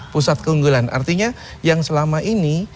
pusat keunggulan artinya yang selama ini